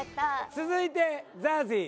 続いてＺＡＺＹ。